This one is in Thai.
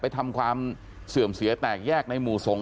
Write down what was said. ทำความเสื่อมเสียแตกแยกในหมู่สงฆ